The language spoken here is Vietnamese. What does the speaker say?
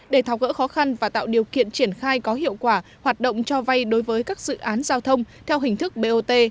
để tháo gỡ khó khăn và tạo điều kiện triển khai có hiệu quả hoạt động cho vay đối với các dự án giao thông theo hình thức bot